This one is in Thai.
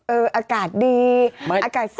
เอออากาศดีอากาศใส